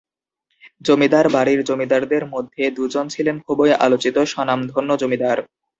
জমিদার বাড়ির জমিদারদের মধ্যে দুজন ছিলেন খুবই আলোচিত স্বনামধন্য জমিদার।